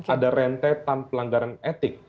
ada rentetan pelanggaran etik